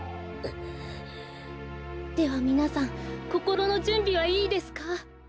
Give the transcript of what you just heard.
ではみなさんこころのじゅんびはいいですか？